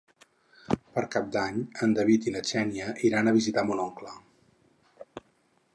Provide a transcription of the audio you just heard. Per Cap d'Any en David i na Xènia iran a visitar mon oncle.